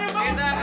ayo semua bangun ya